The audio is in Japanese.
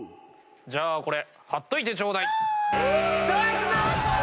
「じゃあこれ貼っといてちょうだい」残念！